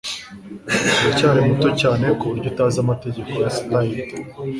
Uracyari muto cyane kuburyo utazi amategeko ya slide